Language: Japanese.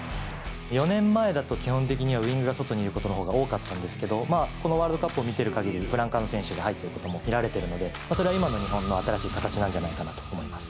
４年前だと基本的にはウイングが外にいることのほうが多かったんですけど、このワールドカップを見ているかぎり、フランカーの選手が入っていることも見られているので、それは今の日本の新しい形なんじゃないかなと思います。